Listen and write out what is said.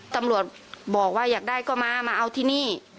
ตำรวจบอกว่าอยากได้ก็มามาเอาที่นี่